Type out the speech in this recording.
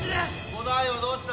・伍代はどうした？